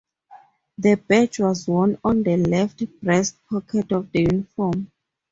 The badge was worn on the left breast pocket of the uniform.